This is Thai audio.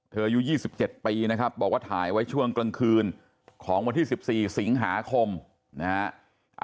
อายุ๒๗ปีนะครับบอกว่าถ่ายไว้ช่วงกลางคืนของวันที่๑๔สิงหาคมนะฮะ